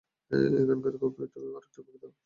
এখানে আরেকটা কফি দাও, সোনা।